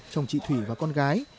chồng chị thủy và con gái